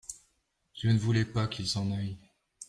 Je ne voulais pas qu'il s'en aille.